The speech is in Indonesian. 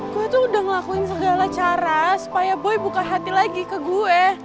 gue tuh udah ngelakuin segala cara supaya boy buka hati lagi ke gue